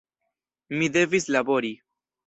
Mi devis labori.